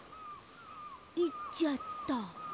いっちゃった。